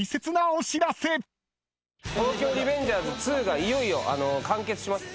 『東京リベンジャーズ２』がいよいよ完結します。